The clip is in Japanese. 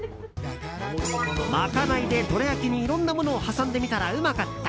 まかないで、どら焼きにいろんなものを挟んでみたらうまかった。